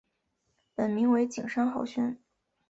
本名为景山浩宣。